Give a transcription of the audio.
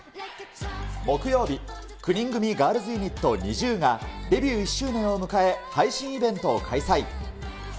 木曜日、９人組ガールズユニット、ＮｉｚｉＵがデビュー１周年を迎え、配信イベントを開催。